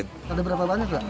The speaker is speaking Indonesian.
tadi berapa banyak